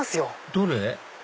どれ？